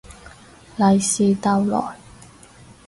利是逗來